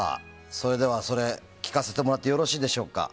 それでは聞かせてもらってもよろしいでしょうか。